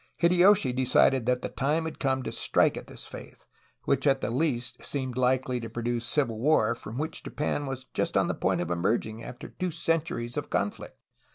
Hideyoshi decided that the time had come to strike at this faith, which at the least seemed Hkely to produce civil war, from which Japan was on the point of emerging after two centuries of conflict.